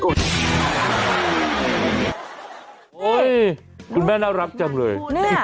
โอ้โหคุณแม่น่ารักจังเลย